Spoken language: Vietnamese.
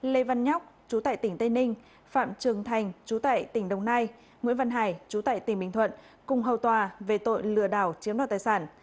lê văn nhóc chú tại tỉnh tây ninh phạm trường thành chú tại tỉnh đồng nai nguyễn văn hải chú tại tỉnh bình thuận cùng hầu tòa về tội lừa đảo chiếm đoạt tài sản